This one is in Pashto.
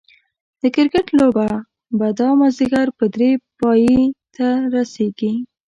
د کرکټ لوبه به دا ماځيګر په دري پايي ته رسيږي